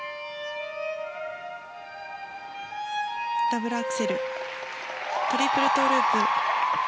ダブルアクセルトリプルトウループ。